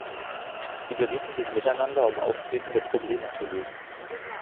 Sie berieten sich miteinander, um auftretende Probleme zu lösen.